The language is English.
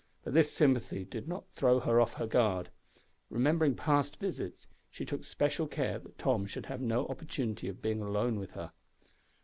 But this sympathy did not throw her off her guard. Remembering past visits, she took special care that Tom should have no opportunity of being alone with her.